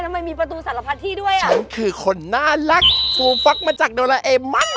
ทำไมมีประตูสารพัทธิด้วยอ่ะฉันคือคนน่ารักมาจากนระเอมัน